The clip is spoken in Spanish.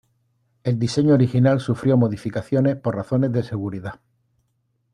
El diseño original sufrió modificaciones por razones de seguridad.